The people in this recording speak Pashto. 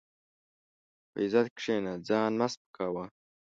په عزت کښېنه، ځان مه سپکاوه.